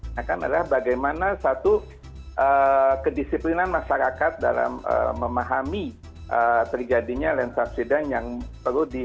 nah kan adalah bagaimana satu kedisiplinan masyarakat dalam memahami terjadinya land subsidence yang perlu di